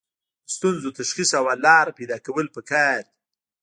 د ستونزو تشخیص او حل لاره پیدا کول پکار دي.